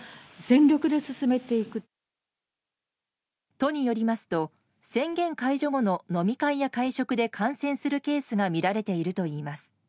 都によりますと宣言解除後の飲み会や会食で感染するケースがみられているといいます。